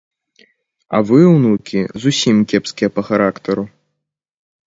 А вы, унукі, зусім кепскія па характару.